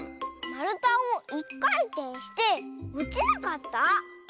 まるたをいっかいてんしておちなかった？